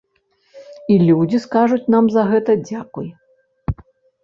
І людзі скажуць нам за гэта дзякуй.